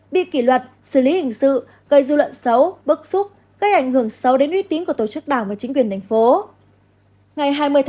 bị kỷ luật xử lý hình sự gây dư luận xấu bức xúc gây ảnh hưởng sâu đến uy tín của tổ chức đảng và chính quyền thành phố